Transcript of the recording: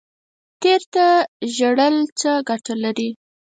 تیر ته ژړل څه ګټه لري؟